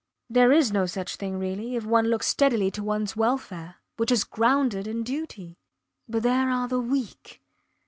There is no such thing really if one looks steadily to ones welfare which is grounded in duty. But there are the weak.